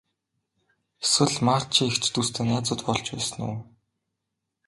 Эсвэл Марчийн эгч дүүстэй найзууд болж байсан уу?